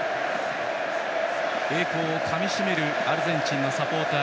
栄光をかみしめるアルゼンチンのサポーター。